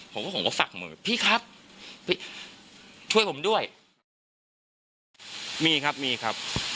ผมก็ผมก็ฝักมือแบบพี่ครับพี่ช่วยผมด้วยมีครับมีครับ